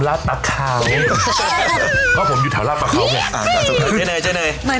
ตอนสมัยก่อนเนี่ยก็จะมีแกง